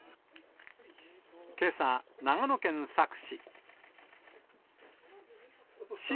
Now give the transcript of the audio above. けさ、長野県佐久市。